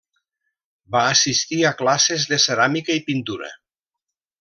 Va assistir a classes de ceràmica i pintura.